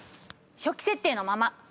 初期設定のまま。